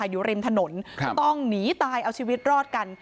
อยู่ริมถนนก็ต้องหนีตายเอาชีวิตรอดกัน